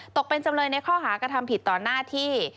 ตกเป็นจำเลยในข้อหากระทำผิดต่อหน้าที่